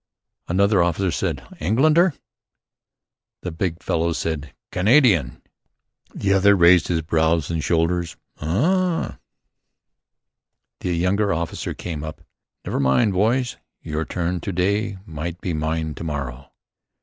Another officer said "Engländer?" The big fellow said "Kanadien." The other raised his brows and shoulders: "Uhh!" A younger officer came up: "Never mind, boys: Your turn to day. Might be mine to morrow."